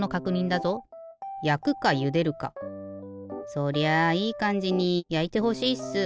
そりゃあいいかんじにやいてほしいっす。